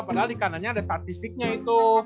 padahal di kanannya ada statistiknya itu